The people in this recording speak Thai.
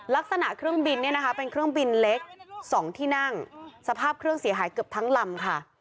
ลักษณะเครื่องบินเนี่ยนะคะเป็นเครื่องบินเล็กสองที่นั่งสภาพเครื่องเสียหายเกือบทั้งลำค่ะ